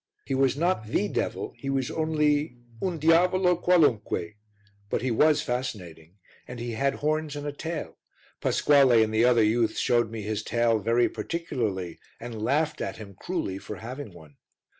He was not The Devil, he was only "un diavolo qualunque," but he was fascinating, and he had horns and a tail Pasquale and the other youths showed me his tail very particularly and laughed at him cruelly for having one.